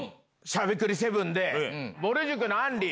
『しゃべくり００７』で。